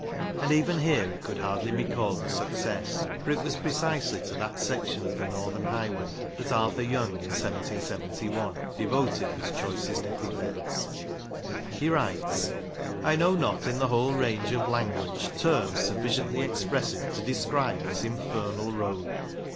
And even here it could hardly be called a success, for it was precisely to that section of the northern highway that Arthur Young, in 1771, devoted his choicest epithets. He writes: I know not in the whole range of language terms sufficiently expressive to describe this infernal road.